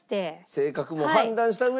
性格も判断した上で。